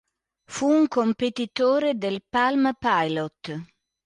Fu un competitore del Palm Pilot.